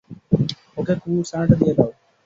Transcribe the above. ওকে কুকুরছানাটা দিয়ে দাও।